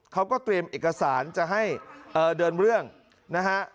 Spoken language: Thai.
เขาก็เตรียมเอกสารจะให้เดินเรื่องนะฮะ